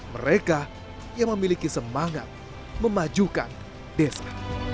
mereka yang memiliki semangat memajukan desa